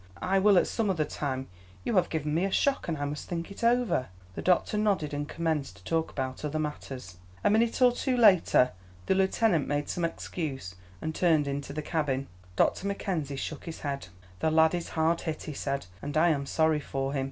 I will at some other time. You have given me a shock, and I must think it over." The doctor nodded, and commenced to talk about other matters. A minute or two later the lieutenant made some excuse, and turned into the cabin. Dr. Mackenzie shook his head. "The lad is hard hit," he said, "and I am sorry for him.